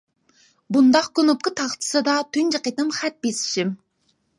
بۇنداق كۇنۇپكا تاختىسىدا تۇنجى قېتىم خەت بېسىشىم!